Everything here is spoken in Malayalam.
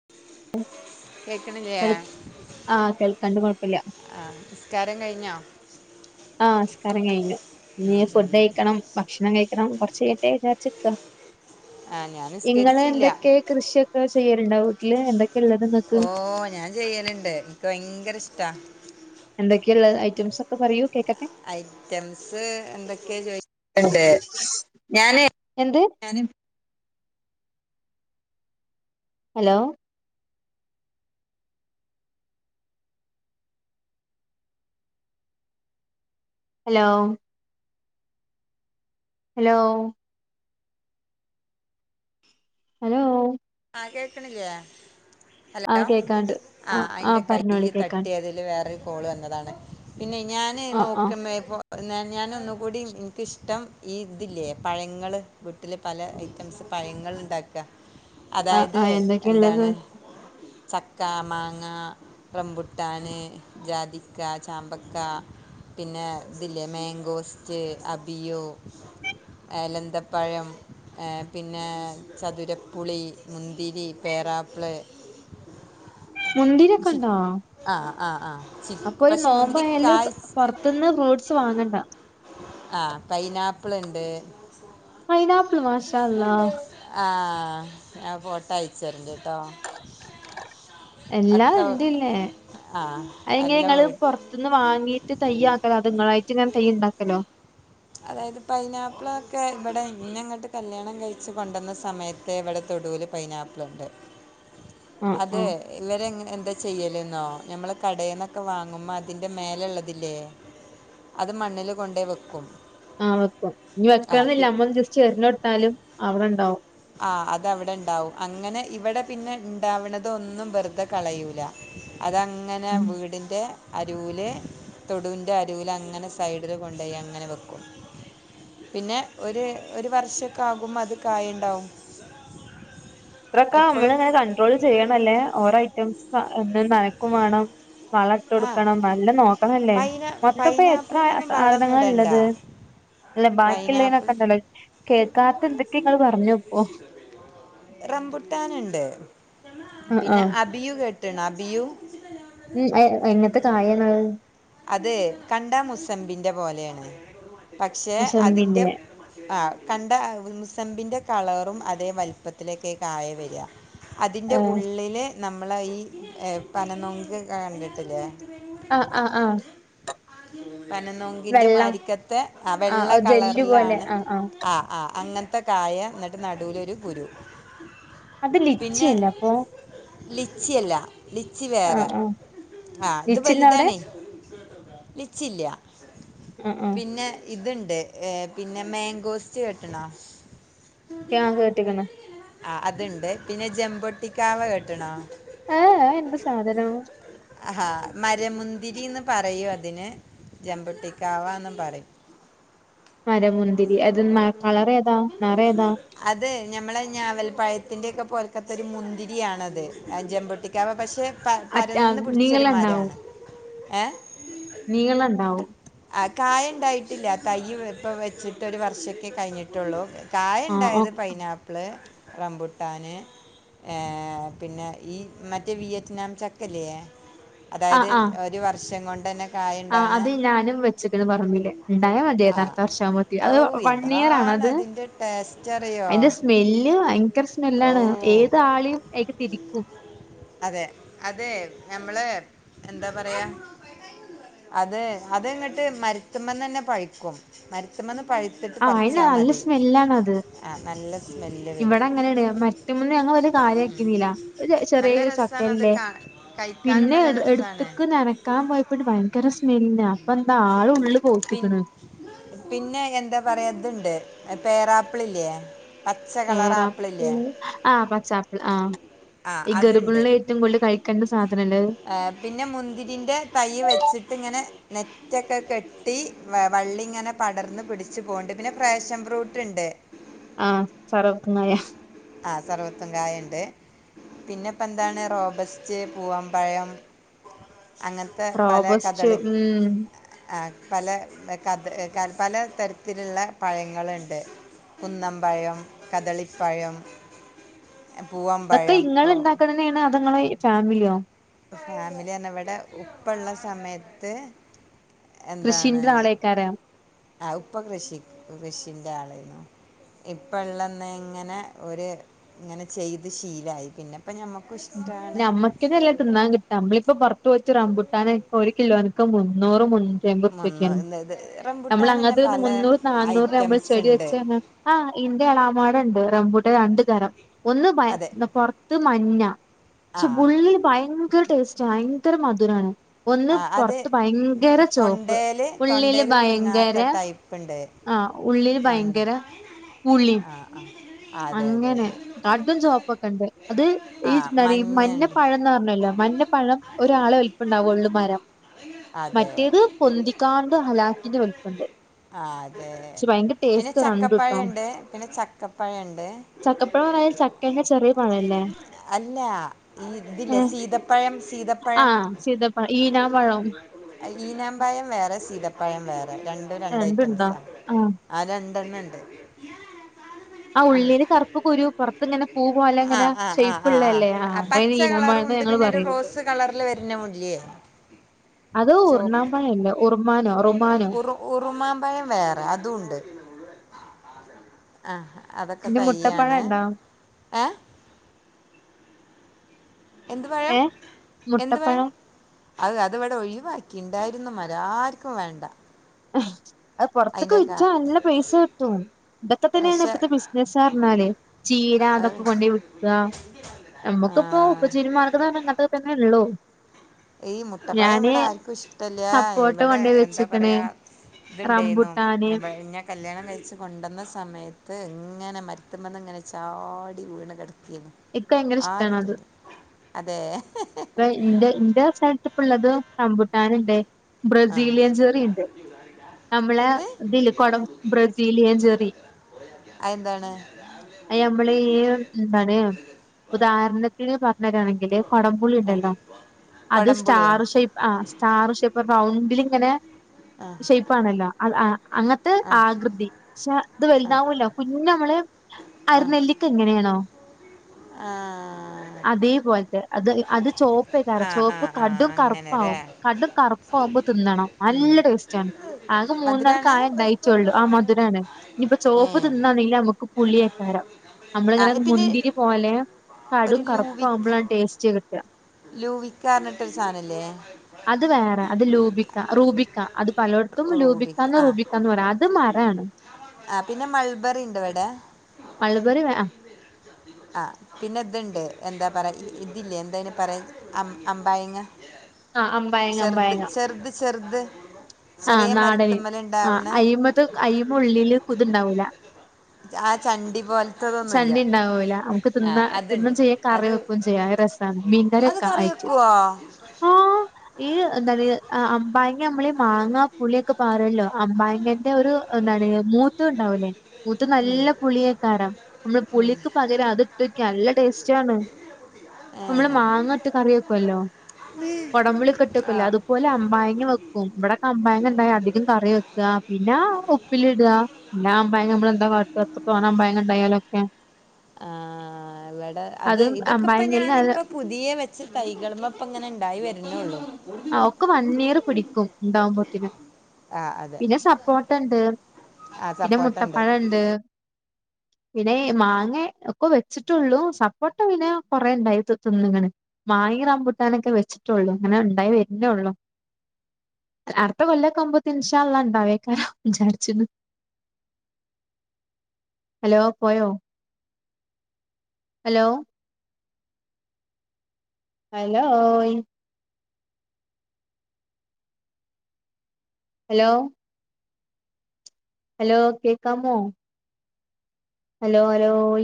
[unintelligible] ആഹ് കേൾക്കാണ്ട് കുഴപ്പല്ലിയ ആഹ്‌ നിസ്കാരം കഴിഞ്ഞോ ആഹ് നിസ്കാരം കഴിഞ്ഞു. ഉം ഇഞ്ഞ് ഉം ഫുഡ് കഴിക്കണം ഭക്ഷണം കഴിക്കണം കൊർച്ചയ്യട്ടേ വിചാരിച്ച്ക്ക. ആഹ്‌ ഞാൻ നിസ്കരിച്ചില്ല കൃഷിയൊക്കെ ചെയ്യാലുണ്ടോ വീട്ടില് എന്തൊക്കെള്ളത്ങ്ങക്ക് ഓഹ് ഞാൻ ചെയ്യല്ണ്ട് ഇൻക്ക് ഭയങ്കരഷ്ടാ. എന്തൊക്കെള്ളത് ഐറ്റംസൊക്കെ പറയൂ കേക്കട്ടേ ഐറ്റംസ് എന്തൊക്കെ ചോദിച്ചാൽ ഞാന് എന്ത് ഞാൻ ഹലോ ഹലോ ഹലോ ഹലോ ആ കേൾക്കണില്ലേ ഹലോ ആഹ് കേക്കാണ്ട് ആ ആഹ് ആഹ് അതിന്റെ കൈ പറഞ്ഞോളി കേക്കാണ്ട് തട്ടിയത്. വേറൊരു കോള് വന്നതാണ് പിന്നെ ഞൻ ആഹ് ആഹ് നോക്കണ ഇപോ ഞാന് ഒന്നുകൂടി എനിക്കിഷ്ടം ഈ ഇതില്ലേ പഴങ്ങൾ വീട്ടില്. പല ഐറ്റംസ് പഴങ്ങൾ ഉണ്ടാക്കുക. ആഹ് അതായത് ആഹ് എന്തൊക്കെയ ഉള്ളത് എന്താണ് ചക്ക മാങ്ങ. റമ്പുട്ടാന്, ജാതിക്ക, ചാമ്പക്ക. പിന്നേ ഇതില്ലേ മാങ്കോസ്റ്റ് അബിയോ എലന്തപ്പഴം ഏഹ് പിന്നേ ചതുര പുളി മുന്തിരി പേറാപ്പ്ള് മുന്തിരിയക്കെണ്ടോ ആഹ് ആഹ് ആഹ് അപ്പൊരു നോമ്പായാല് പൊറത്ത്ന്ന് ഫ്രൂട്ട്സ് വാങ്ങണ്ട ആഹ് പൈനാപ്പ്ള്ണ്ട് പൈനാപ്പ്ള് മാഷാ അള്ളാ ആഹ് ഞാൻ ഫോട്ടോ അയച്ച് തരൺണ്ട്ട്ടോ എല്ലാം ഇണ്ട്ല്ലേ ആ അയെങ്ങനെ എല്ലാം ഇങ്ങള് വീട്ടിൽ പൊറ ത്ത്ന്ന് വാങ്ങീട്ട് തൈയാക്കലോ അതോ ഇങ്ങളായിട്ട്ങ്ങനെ തൈയ്യ്ണ്ടാക്കലോ അതായത് പൈനാപ്പ്ളൊക്കെ ഇവിടെ ഇന്നങ്ങോട്ട് കല്യാണം കഴിച്ച് കൊണ്ടുവന്ന സമയത്തേ ഇവിടെ തൊടൂല് പൈനാപ്പ്ളുണ്ട് [inaudible] ആഹ് അതേ ആഹ് ഇവരെങ്ങനാ എന്താ ചെയ്യലെന്നോ ഞമ്മള് കടേന്നൊക്കെ വാങ്ങുമ്പോ അതിൻ്റെ മേലെള്ളതില്ലേ അത് മണ്ണില് കൊണ്ടോയ് വെക്കും ആഹ് വെക്കും ഇനി ആ പി വെക്കണന്നില്ല അമ്മൊന്ന് ജസ്റ്റ് എറിഞ്ഞ് കൊടുത്താലും അവിടെണ്ടാവും ആഹ് അത് അവിടെ ഇണ്ടാവും അങ്ങനെ ഇവിടെ പിന്നെ ഇണ്ടാവ്ണതൊന്നും വെറുതെ കളയൂല അതങ്ങനെ ഉം വീടിന്റെ അരൂല് തൊടുവിൻ്റ അരുവിലങ്ങനെ സൈഡില് കൊണ്ടോയങ്ങനെ വെക്കും പിന്നെ ഒര് ഒരു വർഷക്കെ ആകുമ്പോ അത് കായ്ണ്ടാവും [inaudible] ഇത്രെക്കെ നമ്മള്ങ്ങനെ കൺട്രോൾ ചെയ്യണല്ലേ ഓരോ ഐറ്റംസ് എന്നും നനക്കും വേണം വളട്ട് ആ കൊടുക്കണം നല്ല നോക്കണല്ലേ പൈനാ മൊത്തപ്പ എത്ര പൈനാപ്പിളിനൊന്നും വളമൊന്നും സാധനങ്ങള് ഇടണ്ട ഇള്ളത് അല്ല പൈനാപ്പിൾ ബാക്കിയുള്ളയ്നൊക്കെണ്ടല്ലോ കേക്കാത്ത എന്തൊക്കെങ്ങള് പറഞ്ഞുപ്പൊ റംമ്പുട്ടാന്ണ്ട് ആഹ് പിന്നെ ആഹ് അബിയു കേട്ട്ണ അബിയു ഉം അയെ എങ്ങൻത്തെ കായാണത് അതേ കണ്ടാ മുസമ്പിന്റെ പോലെയാണ് പക്ഷെ അതിന്റെ മുസമ്പിന്റെ ആഹ് കണ്ടാ മുസമ്പിന്റെ കളറും അതേ വലുപ്പത്തിലേക്ക് കായ വെര്വാ അതിന്റെ ആഹ് ഉള്ളില് നമ്മള് ഈ ഏഹ് പന നൊങ്ക് കണ്ടിട്ടില്ലേ ഇത്രേം കൂടെന്ക്ക് ആഹ് ആഹ് പറഞ്ഞ് ആഹ് തരണേ പനംനൊങ്കിന്റെ വെള്ള മാരിക്കത്തെ ആഹ് വെള്ള ജെല്ല് പോലെ കളറിലാണ് ആഹ് ആഹ് ആഹ് അങ്ങൻത്തെ കായ എന്നിട്ട് നടുവിലൊരു കുരു അത് പിന്നെ ലിച്ചിയല്ലേ അപ്പൊ ലിച്ചിയല്ല ലിച്ചി ആഹ് വേറെ ആഹ് ആഹ് ഇത് ലിച്ചിണ്ടാ അവിടെ വെല്താണേ ലിച്ചിയില്ല്യ ആഹ് ആഹ് പിന്നെ ഇത്ണ്ട് ഏഹ് പിന്നെ മാങ്കോസ്റ്റ് കേട്ട്ണാ ഞാൻ കേട്ട്ക്ക്ണ് ആഹ് അത്ണ്ട് പിന്നെ ജെമ്പൊട്ടിക്കാവ കേട്ട്ണാ ഏഹ് ഏഹ് എന്ത്‌ സാധനം മരമുന്തിരീന്ന് പറയും അതിന് ജെമ്പൊട്ടിക്കാവാന്നും പറയും മരമുന്തിരി അതുമ്മാ കളറേതാ നെറം ഏതാ അതേ ഞമ്മളെ ഞാവൽപ്പഴത്തിൻ്റെക്കെ പോൽക്കത്തൊരു മുന്തിരിയാണത് ആഹ് ജെമ്പൊട്ടിക്കാവ പക്ഷെ പ അറ്റ പരന്ന് പിടിച്ചൊരു നീളം മാരാണ് ഏഹ് നീളണ്ടാവും ആഹ് കായണ്ടായിട്ടില്ല തൈ ഇപ്പോ വെച്ചിട്ടൊരുവർഷക്കെ കഴിഞ്ഞിട്ടുള്ളൂ ആഹ് ഓ കായണ്ടായത് പൈനാപ്പിള് റംബുട്ടാന് ഏഹ് പിന്നെ ഈ മറ്റേ വിയറ്റ്നാം ചക്കല്ലേ അതായത് ആഹ് ആഹ് ഒരു വർഷം കൊണ്ടന്നെ ആഹ് അത് ഞാനും വെ ച്ചക്കന്ന് പറമ്പില്ലേ ഉണ്ടായാ ആ മതിയയ്നു അട്ത്ത വർഷാകുമ്പോത്തി അത് വൺ ഇയർ ആണോത് ന്ത് ട്ടേസ്റ്റാറിയോ അയിന്റെ സ്മെല്ല് ഭയങ്കര സ്മെല്ലാണ് ഓ ഏത് ആളെ അയ്ക്ക് തിരിക്കും അതെ അതെ നമ്മള് എന്താ പറയാ അതെ അതങ്ങട്ട് മര്ത്തുമ്മന്ന് തന്നെ പഴ്ക്കും മര്ത്ത്മ്മന്ന് പ ആഹ് അയിന് നല്ല സ്മെല്ലാണത് ആഹ് നല്ല സ്മെല്ല് വരും ഇവിടെങ്ങനെയാണ് മര്ത്ത്മന്ന് ഞങ്ങള്ഒരു കാര്യ ആക്കില്ല നല്ല ചെറിയരു രസമാണ് അത് എല്ലേ കാ കഴിക്കാനും പിന്നെ നല്ല രസമാണ് എടുത്ത്ക്ക നന ക്കാൻ പോയപ്പോ ഭയങ്കര സ്മെല്ലിന അപ്പൊ എന്താ ആള് ഉള്ള് പിൻ പൗത്ത്ക്ക്ണ് പിന്നെ എന്താ പറയാതുണ്ട് പേരാപ്പിള്ല്ലേ പേറാപ്പിള് ആഹ് പച്ചാപ്പിൾ ആഹ് ആ ഈ അതുണ്ട് ഗർഭിണെള് ഏറ്റവും കൂടുതൽ കഴിക്കേണ്ട സാധനല്ലേത് ഏഹ് പിന്നെ മുന്തിരിൻ്റെ തൈ വെച്ചിട്ട്ങ്ങനെ നെ റ്റൊക്കെ കെട്ടി വള്ളി ഇങ്ങനെ പടർന്ന് പിടിച്ച് പോക്ണ്ട് പിന്നെ ഫ്രേശം ഫ്രൂട്ട്ണ്ട് ആഹ് സർവത്തുകായാ ആഹ് സർവത്തും കായണ്ട് പിന്നെപ്പോന്താണ് റോബസ്റ്റ് പൂവംപ്പഴം അങ്ങ ത്തെ പല റോബസ്റ്റ് കഥളി ഉം ആഹ് പല കഥ പല തരത്തില്ള്ള പഴങ്ങള്ണ്ട് കുന്നംപ്പഴം കദളിപ്പഴം ഇതൊക്കെ പൂവമ്പഴം ഇങ്ങള് റോ ണ്ടാക്ക്ണ തന്നെയാണോ അതോ ഫാമിലിയോ ഫാമിലി പറഞ്ഞ ഇവിടെ ഉപ്പള്ള സമയത്ത് കൃഷിന്റെ ആളെക്കാരം ആഹ് ഉപ്പ കൃഷി കൃഷിന്റെ ആളായിന്നു ഇപ്പള്ളന്നെ ഇങ്ങനെ ഒരു ഇങ്ങനെ ചെയ്ത് ശീലായി പിന്നെ ഇപ്പൊ ഞ്ഞമക്ക് ഞമ്മക്കിതല്ലെ തിന്നാൻ കി നമ്മളിപ്പൊ പുറത്ത് വെച്ച് റമ്പുട്ടാനെ ഒരു കിലോന്ക്ക് മുന്നൂറ് മൂ എമ്പൊർപ്യക്കാണ് മണ്ണ് ഇത് നമ്മള് റംബുട്ടാൻ തന്നെ അങ്ങത്തെന്ന് പല മുന്നൂറ് നാന്നൂറ് നമ്മള് ഐറ്റംസ് ചെടി ഉണ്ട് വെച്ചാണ ആഹ് ഇന്റെ ഇളാമാട്ണ്ട് റംമ്പൂട്ടാരണ്ടു തരം ഒന്ന് അതെ പൊറത്ത് മഞ്ഞ ആ പക്ഷെ ബുള്ളി ഭയങ്കര ടേസ്റ്റാഭയങ്കര മധുരാണ് ഒന്ന് ആ അത് പൊറത്ത് ഭയങ്കര ചോപ്പ് തൊണ്ടയിൽ ഉള്ളില് തൊണ്ടയിൽ ഭയങ്കര കുടുങ്ങാത്ത ടൈപ്പ് ഉണ്ട് അഹ് ഉള്ളില് തൊണ്ട ഭയങ്കര പുള്ളി ആ ആ അതെ അതെ അങ്ങനെ അതെ കടും ചോപ്പൊക്കെണ്ട് അത് ആ ഈ കടി മഞ്ഞുണ്ട് മഞ്ഞപ്പഴം എന്ന് പറഞ്ഞല്ലോ മഞ്ഞപ്പഴം ഒരാളെ വല്പ്പണ്ടാവൊ ള്ളു മരം അതെ മറ്റേത് പൊന്തിക്കാണ്ട് ഹലാക്കിന്റെ വൽപ്പണ്ട് ആ അതെ പിന്നെ രണ്ടുട്ടോ ചക്കപ്പഴണ്ട് പിന്നെ ചക്കപ്പഴണ്ട് [unintelligible] ചക്കെക്കെ ചെറിയ പഴവല്ലേ അല്ലാ ഈ ഇതില്ലേ സീതപ്പഴം സീതപ്പഴം ആഹ് സീതപ്പഴം ഈനാപ്പഴം ഈനാമ്പയം വേറെ സീതപ്പയം വേറെ രണ്ടും രണ്ട് രണ്ടുണ്ടോ ഐറ്റംസാ ആഹ് ആ രണ്ടെണ്ണണ്ട് ആ ഉള്ളില് കറുപ്പ് കുരു പൊർത്ത്ങ്ങനെ പൂ ആ പോലെങ്ങനേ ആ ആ ആ ഷെയ്പ്പ്ള്ള അല്ലേ ആ വ്ടെ അയ്ന് പച്ച ഈനാമ്പഴം കളറും ന്നാ ഉണ്ട് ഞങ്ങള് പിന്നെ ഒരു പറയല്ണ്ട് റോസ് കളറിൽ വരുന്നില്ലേ അത് ചോ ഉർണാമ്പഴല്ലേ ഉർമാനോ റുമാനോ ഉറു ഉറുമാമ്പഴം വേറെ അതുംണ്ട് ആ അതൊക്കെ പിന്നെ തയ്യാണ് മുട്ടപ്പഴണ്ടോ ഏ എന്ത് പഴം ഏഹ് എന്ത് പയം മുട്ടപ്പഴം അഹ് അത് വടെ ഒഴിവാക്കി ണ്ടായ്ര്ന്നു മരം ആര്ക്കും വേണ്ട അത് പൊർത്ത്ക്ക് അതിൻ്റെ വിറ്റാ നല്ല പൈസ ക് ട്ടും ഇതൊക്കെ തന്നെയാണ് ഇപ്പത്തെ പക്ഷെ ബിസ്നസ് അർഞ്ഞാലേ ചീര അതൊക്കെ കൊണ്ടയി വ്ക്കാ നമ്മക്ക് പ്പോ ആഹ് ഉപജീവന മാർഗംന്നർഞ്ഞ് ഇങ്ങൻത്തതൊക്കെന്നെള്ളൂ ഈ മുട്ടപ്പയം ഇവടെ ആര്ക്കും ഇഷ്ട്ടല്ല്യാ സപ്പോട്ട ഇവടെ കൊണ്ടോയി എന്താ വെച്ച്ക്ക്ണ് പറയാ ത് ണ്ടെയ്ന്നു റംബുട്ടാന് [unintelligible] കല്ല്യാണം കഴിച്ച് കൊണ്ടുന്ന സമയത്ത് ഇങ്ങനെ മര്ത്ത്മ്മന്ന് ഇങ്ങനെ ചാടി വീണ് കെട്ക്കേയ്ന്നു എനിക്ക് ഭയങ്കര ഇഷ്ടമാണ് ആരും തിന്നുല അതെ ഇപ്പ ഇന്റെ ഇന്റെ സ്ഥൽത്ത് പ്പള്ളത് റംമ്പൂട്ടാന് ണ്ട് ആഹ് ബ്രസീലിയൻ ചെറിണ്ട് നമ്മ്ളെ എന്ത് തില്ലെ കൊടം ബ്രസീലിയൻ ചെറി അതെന്താണ് അത് നമ്മള് ഈ എന്താണ് ഉദാഹരണത്തിന് പർഞ്ഞരാണെങ്കില് കൊടം പു ആഹ് പുളിണ്ടല്ലോ അത് കൊടംപുളിയോ സ്റ്റാർ ഷേപ്പ് ആ സ്റ്റാർ ഷേപ്പ് റൗണ്ടിലിങ്ങനെ ആഹ് ഷെയ്പാണല്ലോ അ അ അങ്ങത്ത് ആഹ് ആകൃതി പക്ഷെ ത് ആഹ് വൽതാവൂല കുഞ്ഞമ്മള് അരി ആഹ് നെല്ലിക്ക എങ്ങനെയാണോ ആഹ് അതേ പോൽത്തെ അത് അത് ചോപ്പേക്കാരം ആഹ് ചോപ്പ് ആഹ് കടും ആഹ് അങ്ങനെല്ലേ കറുപ്പാവും ക കടും കറുപ്പാവുമ്പോ തിന്നണം ഉം നല്ല ടേസ്റ്റാണ് ആകെ മൂന്നാല് മധുരാണ് കായേ ണ്ടായ്റ്റൊള്ളു ആ മധുരാണ് ഞ്ഞിപ്പ ചോപ്പ് ഏഹ് തിന്നാണെങ്കി നമുക്ക് പുളിയേക്കാരം നമ്മളിങ്ങനെ ആഹ് പിന്നെ മുന്തിരി പോലെ കടും കറുപ്പാവുമ്പളാണ് ടേസ്റ്റ് കിട്ട് [unintelligible] ലൂവിക്ക്യാർഞ്ഞ്ട്ടൊരു സാനല്ലേ അത് വേറെ അത് ലൂബിക്ക റൂബിക് ക്ക അത് പലോട്ത്തും റൂബിക്ക് ലൂബിക്കാന്ന് ആ റൂബിക്കാന്ന് പറയും അത് മറാണ് ആ പിന്നെ മൾബറിണ്ട് വടെ മൾബറി വേ ആ പിന്നെ ത്ണ്ട് എന്താ പറയ ഈ ഇതില്ലേ എന്തായ്ന് പറയാ അം അമ്പായങ്ങ ആഹ് അമ്പായങ്ങ ചെർത് ചെർത് ചെർത് ആ ന്നാടന് ആ അയ്മത് അയ്മ ഉള്ളില് കുതുണ്ടാവൂല ആ ചണ്ടി പോലത്തതൊന്നുമില്ല ചണ്ടി ണ്ടാവൂല നമുക്ക് ആ തിന്ന തിന്നും അതുണ്ട് ചെയ്യ കറി അത് വെക്കും ചെയ്യാം റെസ് ആ മീൻകറി അത് വെക്ക കറി അയേയ്റ്റ് വെക്കുവോ ആ ഈ എന്താണ് അ അമ്പായങ്ങ നമ്മള് മാങ്ങാ പുളിയൊക്കെ പാരല്ലോ അമ്പയങ്ങന്റെ ഒരു എന്താണ് മൂത്തത് ഉണ്ടാവൂലേ മൂത്തത് ഉം, നല്ല പുളിയേക്കാരം നമ്മള് ഉം. പുളിക്ക് പകരം അത് ഇട്ടോക്കി നല്ല ടേസ്റ്റാണ് ഏ. നമ്മള് മാങ്ങട്ട് കറി വെക്കുവല്ലോ കൊടമ്പുളിക്കെ ആ ഇട്ടെക്കൊല്ലോ അതുപോലെ അമ്പായങ്ങ വെക്കും ഇവടൊക്കെ അമ്പയങ്ങണ്ടായ അധികം കറി വെക്ക പിന്നെ ഉപ്പിലിട എല്ലാ അമ്പയങ്ങ നമ്മളെന്താ കാട്ട ഇത്ര തോനെ അമ്പയങ്ങ ഇണ്ടായാലൊക്കെ ആഹ് ഇവടെ അത് അതും ഇതൊക്കെ ഇപ്പ ഞാന് അമ്പായങ്ങേല് ഇപ്പൊ പുതിയ വെച്ച തൈകള്മ്മെ ഇപ്പൊ ഇങ്ങനെ ഇണ്ടായി വരുന്നുള്ളൂ ആഹ് ഒക്കെ വൺ ഇയർ പിടിക്കും ഇണ്ടാവുമ്പോത്തിന് ആ അതെ പിന്നെ സപ്പോട്ടണ്ട് ആ പിന്നെ സപ്പോട്ട ഉണ്ട് മുട്ടപ്പഴണ്ട് [unintelligible] പിന്നെ മാങ്ങ ഒക്കെ വെച്ചിട്ടുള്ളു സപ്പോട്ട പിന്നെ കോറെ ഇണ്ടായി തിന്ന്ക്ക്ണ് മാങ്ങയെം റമ്പുട്ടാനൊക്കെ വെച്ചിട്ടുള്ളൂ ഇങ്ങനെ ഇണ്ടായി വരുന്നൊള്ളൂ അടുത്ത കൊല്ലൊക്കെ ആവ്മ്പോത്തിന് ഇൻഷാ അല്ലാഹ് ഇണ്ടാവെയ്ക്കാരം വിചാരിച്ച്ണ് ഹലോ പോയോ ഹലോ ഹലോയ് ഹലോ ഹലോ കേക്കാമോ ഹലോ ഹലോയ്